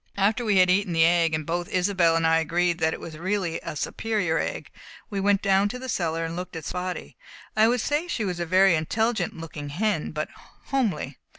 After we had eaten the egg and both Isobel and I agreed that it was really a superior egg we went down cellar and looked at Spotty. I should say she was a very intelligent looking hen, but homely.